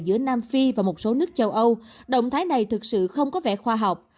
giữa nam phi và một số nước châu âu động thái này thực sự không có vẻ khoa học